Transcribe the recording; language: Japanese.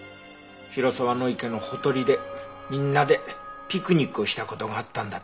広沢池のほとりでみんなでピクニックをした事があったんだって。